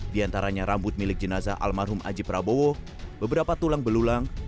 di antaranya rambut milik jenazah almarhum aji prabowo beberapa tulang belulang